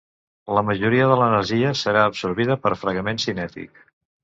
La majoria de l'energia serà absorbida per fregament cinètic.